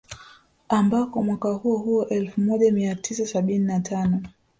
Ambako mwaka huo huo elfu moja mia tisa sabini na tano